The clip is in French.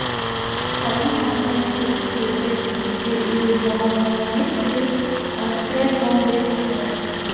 Sa langue maternelle était le breton, et il en était un fervent défenseur.